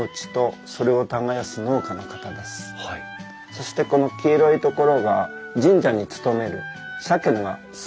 そしてこの黄色いところが神社に勤める社家が住んでたところなんですね。